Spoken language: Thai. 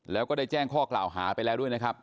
แล้วก็ได้แจ้งข้อกล่าวหาไปแล้วด้วยนะครับ